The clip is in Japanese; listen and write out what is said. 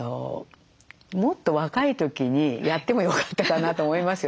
もっと若い時にやってもよかったかなと思いますよね。